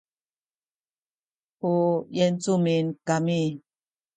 u yuancumin kami